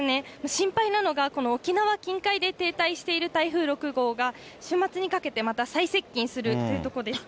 心配なのが、この沖縄近海で停滞している台風６号が、週末にかけてまた再接近するということです。